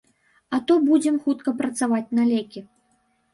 А то будзем хутка працаваць на лекі.